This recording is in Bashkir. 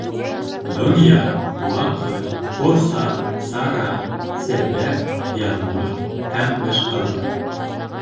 Донъя, ваҡыт, форсат, сара, сәбәп, яҙмыш һ. б.